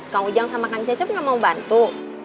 kang ujang sama kang cecep nggak mau bantu